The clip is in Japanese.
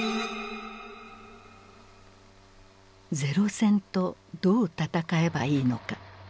零戦とどう戦えばいいのか。